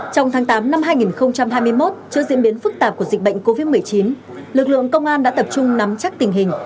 trong tháng tám năm hai nghìn hai mươi một trước diễn biến phức tạp của dịch bệnh covid một mươi chín lực lượng công an đã tập trung nắm chắc tình hình